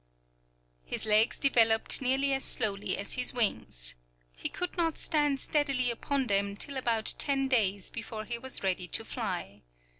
His legs developed nearly as slowly as his wings. He could not stand steadily upon them till about ten days before he was ready to fly.